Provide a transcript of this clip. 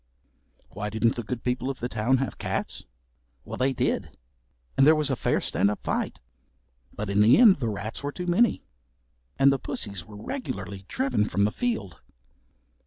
Why didn't the good people of the town have cats? Well they did, and there was a fair stand up fight, but in the end the rats were too many, and the pussies were regularly driven from the field.